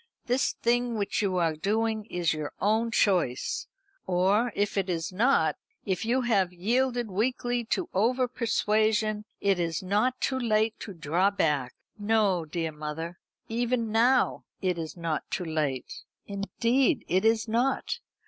"This thing which you are doing is your own choice. Or, if it is not if you have yielded weakly to over persuasion it is not too late to draw back. No, dear mother, even now it is not too late. Indeed, it is not.